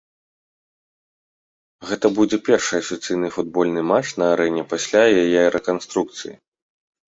Гэта будзе першы афіцыйны футбольны матч на арэне пасля яе рэканструкцыі.